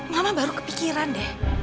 mama baru kepikiran deh